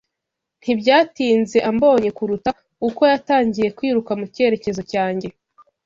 Ntibyatinze ambonye kuruta uko yatangiye kwiruka mu cyerekezo cyanjye.